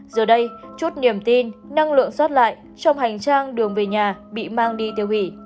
giờ đây chút niềm tin năng lượng xót lại trong hành trang đường về nhà bị mang đi tiêu hủy